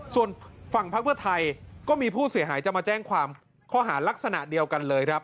ส่วนฝั่งพักเพื่อไทยก็มีผู้เสียหายจะมาแจ้งความข้อหารักษณะเดียวกันเลยครับ